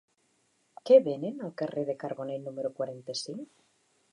Què venen al carrer de Carbonell número quaranta-cinc?